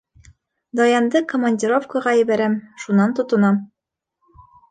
Даянды командировкаға ебәрәм, шунан тотонам.